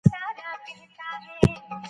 ماشومان د کاردستي له لارې خپل مهارتونه زیاتوي.